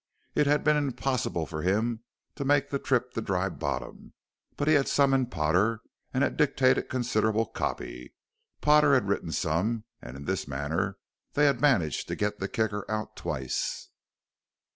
It had been impossible for him to make the trip to Dry Bottom, but he had summoned Potter and had dictated considerable copy, Potter had written some, and in this manner they had managed to get the Kicker out twice.